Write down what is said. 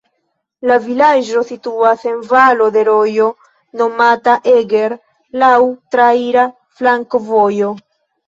La vilaĝo situas en valo de rojo nomata Eger, laŭ traira flankovojo.